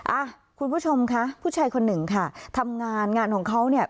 อ่ะคุณผู้ชมคะผู้ชายคนหนึ่งค่ะทำงานงานของเขาเนี่ย